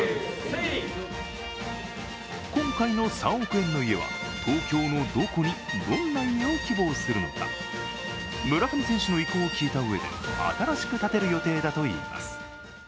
今回の３億円の家は東京のどこにどんな家を希望するのか村上選手の意向を聞いたうえで新しく建てる予定だといいます。